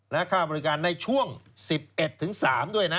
และค่าบริการในช่วง๑๑๓ด้วยนะ